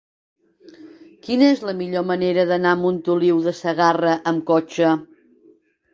Quina és la millor manera d'anar a Montoliu de Segarra amb cotxe?